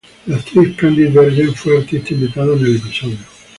La actriz Candice Bergen fue artista invitada en el episodio.